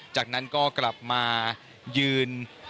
จากนั้นก็กลับมายืน